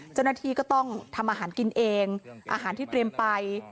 เจ้าหน้าที่ก็ต้องทำอาหารกินเองอาหารที่เตรียมไป